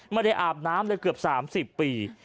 ไม่ได้อาบน้ำเลยเกือบ๓๐ปี